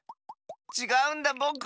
ちがうんだぼく。